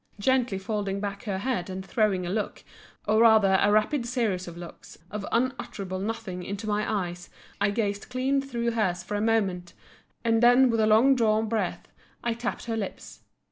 Gently folding back her head and throwing a look or rather a rapid series of looks of unutterable nothing into my eyes, I gazed clean through hers for a moment, and then with a long drawn breath I tapped her lips.